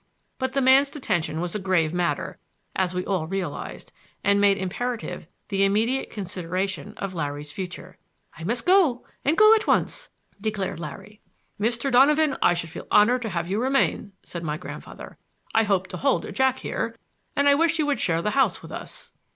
But the man's detention was a grave matter, as we all realized, and made imperative the immediate consideration of Larry's future. "I must go—and go at once!" declared Larry. "Mr. Donovan, I should feel honored to have you remain," said my grandfather. "I hope to hold Jack here, and I wish you would share the house with us."